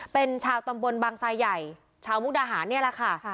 เป็นชาวตำบลบางทรายใหญ่ชาวมุกดาหารนี่แหละค่ะ